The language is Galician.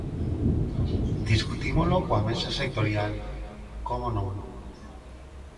Discutímolo coa Mesa sectorial, ¿como non?